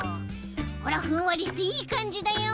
ほらふんわりしていいかんじだよ。